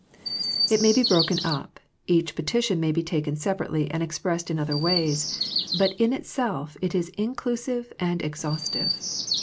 It may be broken up, each petition may be taken separately and expressed in other ways, but in itself it is inclusive and exhaustive.